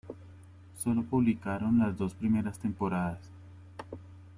Solo publicaron las dos primeras temporadas.